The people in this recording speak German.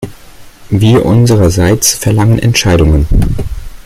Wir unsererseits verlangen Entscheidungen.